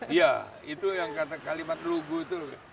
iya itu yang kata kalimat lugu itu